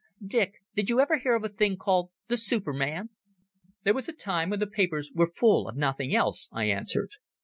Dick, did you ever hear of a thing called the Superman?" "There was a time when the papers were full of nothing else," I answered.